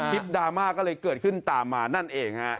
ดราม่าก็เลยเกิดขึ้นตามมานั่นเองฮะ